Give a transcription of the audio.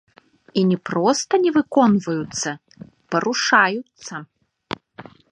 І не проста не выконваюцца, парушаюцца.